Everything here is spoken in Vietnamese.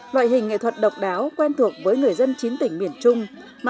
loại hình nghệ thuật độc đáo quen thuộc với người dân chín tỉnh miền trung